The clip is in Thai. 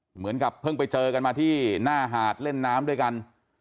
เหมือนกับเพิ่งไปเจอกันมาที่หน้าหาดเล่นน้ำด้วยกัน